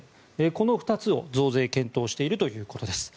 この２つを増税を検討しているということです。